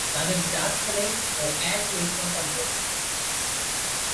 তাদের চার ছেলে ও এক মেয়ে সন্তান রয়েছেন।